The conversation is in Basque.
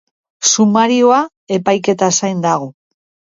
Sumarioa epaiketa zain dago.